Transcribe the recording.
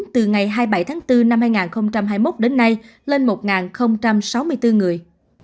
từ ngày hai mươi bảy tháng bốn năm hai nghìn hai mươi một đến nay lên một sáu mươi bốn người